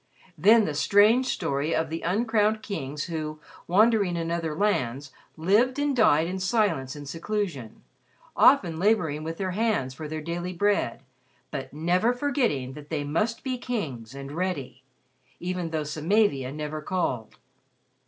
Then the strange story of the uncrowned kings who, wandering in other lands, lived and died in silence and seclusion, often laboring with their hands for their daily bread, but never forgetting that they must be kings, and ready, even though Samavia never called.